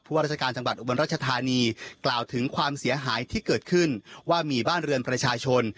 ว่าราชการจังหวัดอุบลรัชธานีกล่าวถึงความเสียหายที่เกิดขึ้นว่ามีบ้านเรือนประชาชน